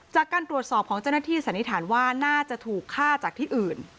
จากการตรวจสอบของเจ้าหน้าที่สันนิษฐานว่าน่าจะถูกฆ่าจากที่อื่น